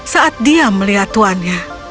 saat dia melihat tuannya